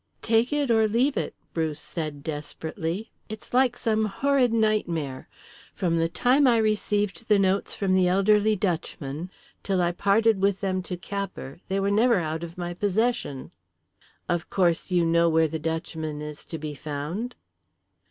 "Take it or leave it," Bruce said desperately. "It's like some horrid nightmare. From the time I received the notes from the elderly Dutchman till I parted with them to Capper they were never out of my possession." "Of course, you know where the Dutchman is to be found?"